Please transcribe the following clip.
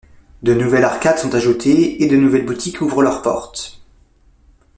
De nouvelles arcades sont ajoutées, et de nouvelles boutiques ouvrent leurs portes.